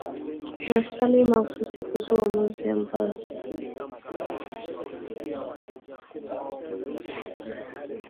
maswali mahususi kuhusu maamuzi ambayo aliyatoa